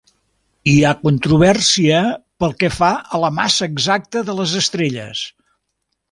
Hi ha controvèrsia pel que fa a la massa exacta de les estrelles.